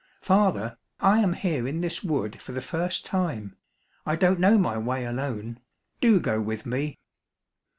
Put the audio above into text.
"Father, I am here in this wood for the first time, I don't know my way alone. Do go with me."